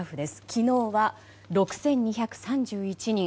昨日は６２３１人。